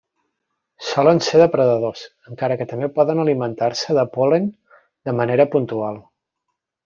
Solen ser depredadors, encara que també poden alimentar-se de pol·len de manera puntual.